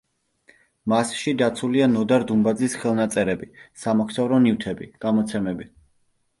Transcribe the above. მასში დაცულია ნოდარ დუმბაძის ხელნაწერები, სამახსოვრო ნივთები, გამოცემები.